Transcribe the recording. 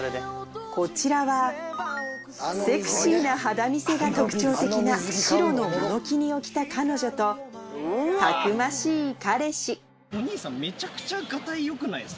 こちらはセクシーな肌見せが特徴的な白のモノキニを着た彼女とたくましい彼氏お兄さん。